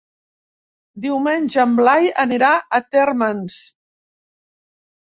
Diumenge en Blai anirà a Térmens.